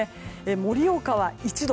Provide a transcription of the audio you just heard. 盛岡は１度。